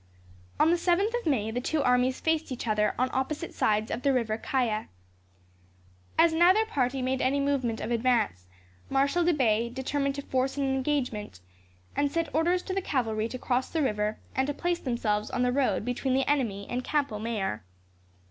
On the 7th of May, the two armies faced each other on opposite sides of the river Caya. As neither party made any movement of advance, Marshal de Bay determined to force on an engagement, and sent orders to the cavalry to cross the river, and to place themselves on the road between the enemy and Campo Mayor.